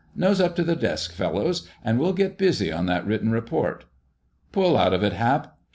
"Nose up to the desk, fellows, and we'll get busy on that written report...." "Pull out of it, Hap!"